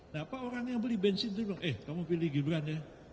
nah pak orang yang beli bensin dulu dong eh kamu pilih gibran ya